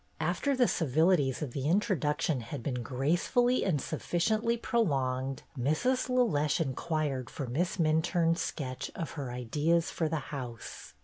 After the civilities of the introduction had been gracefully and sufficiently prolonged, Mrs. LeLeche inquired for Miss Minturne's sketch of her ideas for the house.